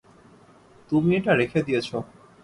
তুমি এটা রেখে দিয়েছ।